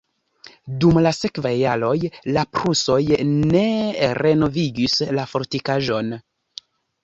Dum la sekvaj jaroj la prusoj ne renovigis la fortikaĵon.